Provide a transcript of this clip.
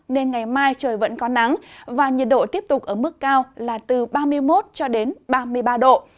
nên ngày mai trời vẫn có nắng và nhiệt độ tiếp tục ở mức cao là từ ba mươi một cho đến ba mươi ba độ